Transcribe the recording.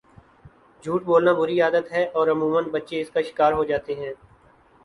جھوٹ بولنا بُری عادت ہے اور عموماً بچے اس کا شکار ہوجاتے ہیں